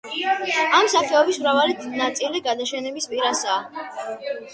ამ სახეობების მრავალი ნაწილი გადაშენების პირასაა.